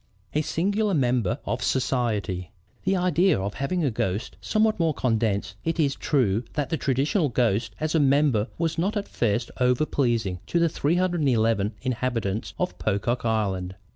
A SINGULAR MEMBER OF SOCIETY "The idea, of having a ghost somewhat more condensed it is true than the traditional ghost as a member was not at first overpleasing to the 311 inhabitants of Pocock Island.